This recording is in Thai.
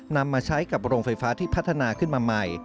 นำมาใช้กับโรงไฟฟ้าที่พัฒนาขึ้นมาใหม่